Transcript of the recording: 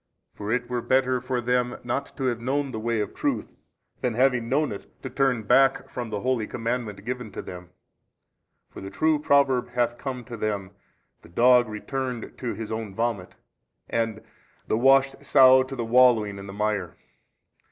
For it were better for them not to have known the way of truth than having known it to turn back from the holy commandment given to them : for the true proverb hath come to them, The dog returned to his own vomit, and, The washed sow to the wallowing in the mire.